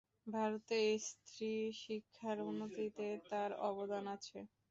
ভারতে স্ত্রী শিক্ষার উন্নতিতে তার অবদান আছে।